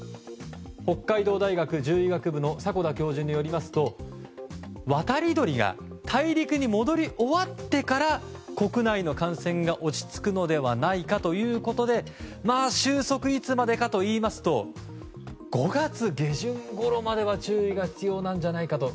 北海道大学獣医学部の迫田教授によりますと渡り鳥が大陸に戻り終わってから国内の感染が落ち着くのではないかということで収束、いつまでかといいますと５月下旬ごろまでは注意が必要なんじゃないかと。